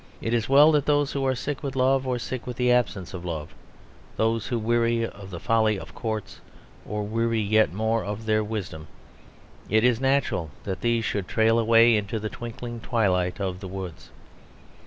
It is well that those who are sick with love or sick with the absence of love, those who weary of the folly of courts or weary yet more of their wisdom, it is natural that these should trail away into the twinkling twilight of the woods.